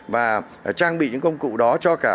và trang bị những công cụ đó cho cả